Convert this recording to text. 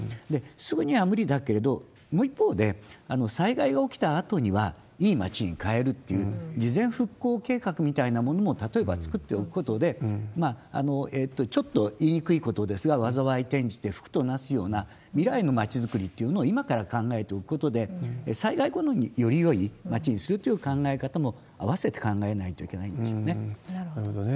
すぐには無理だけれど、もう一方で、災害が起きたあとには、いい街に変えるっていう事前復興計画みたいなものも、例えば作っておくことで、ちょっと言いにくいことですが、災い転じて福と成すような、未来の街づくりというのを今から考えておくことで、災害後にこのようによりよい街にするという考え方も、合わせて考なるほどね。